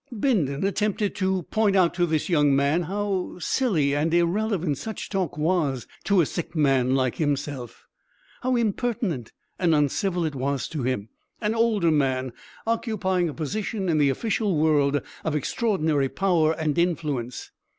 Bindon attempted to point out to this young man how silly and irrelevant such talk was to a sick man like himself, how impertinent and uncivil it was to him, an older man occupying a position in the official world of extraordinary power and influence.